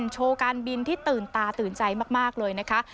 โชว์การบินที่ตื่นตาตื่นใจมากเลยนะคะ